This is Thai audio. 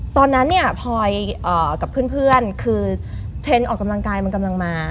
ตอนนั้นเนี่ยพลอยกับเพื่อนคือเทรนด์ออกกำลังกายมันกำลังมา